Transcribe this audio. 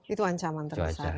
itu ancaman terbesar ya